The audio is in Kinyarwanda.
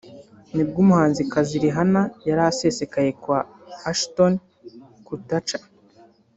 nibwo umuhanzikazi Rihanna yari asesekaye kwa Ashton Kutcher